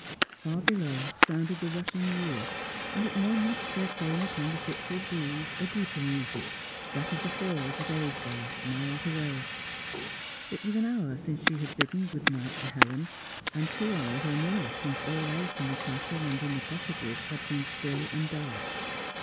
Far below sounded the rushing Ure, and at moments there came upon the fitful breeze a deeper music, that of the falls at Aysgarth, miles away. It was an hour since she had bidden good night to Helen, and two hours or more since all else in the Castle and in the cottages had been still and dark.